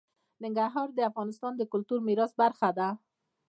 ننګرهار د افغانستان د کلتوري میراث برخه ده.